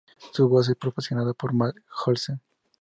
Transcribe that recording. Su voz es proporcionada por Matt Olsen.